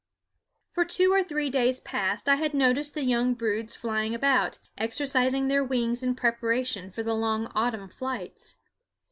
For two or three days past I had noticed the young broods flying about, exercising their wings in preparation for the long autumn flights.